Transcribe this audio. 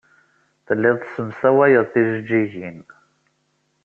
Telliḍ tessemsawayeḍ tijejjigin.